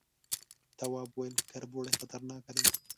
تواب وويل، کربوړي خطرناکه دي.